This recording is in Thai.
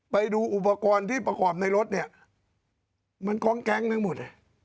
ไปดูอุปกรณ์ที่ประกอบในรถเนี่ยมันกองแก๊งทั้งหมด